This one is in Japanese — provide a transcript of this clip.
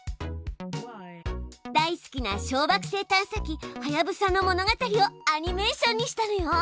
大好きな小わくせい探査機はやぶさの物語をアニメーションにしたのよ。